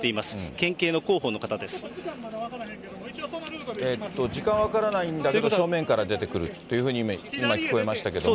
県警時間は分からないんだけども、正面から来るというふうに今、聞こえましたけれども。